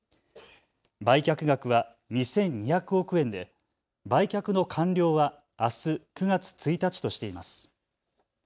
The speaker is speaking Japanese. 売却額は２２００億円で売却の完了はあす９月１日としています。